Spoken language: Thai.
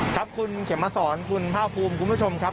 ครับคุณเข็มมาสอนคุณภาคภูมิคุณผู้ชมครับ